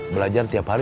belajar tiap hari